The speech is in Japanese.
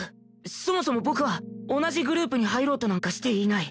そもそも僕は同じグループに入ろうとなんかしていない